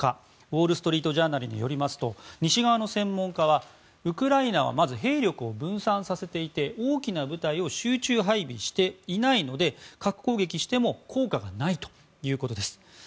ウォール・ストリート・ジャーナルによりますと西側の専門家は、ウクライナはまず兵力を分散させていて大きな部隊を集中配備していないので核攻撃しても効果がないということです。